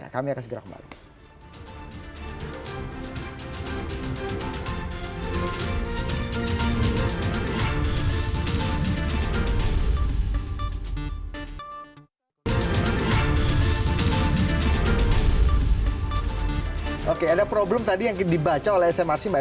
kami akan segera kembali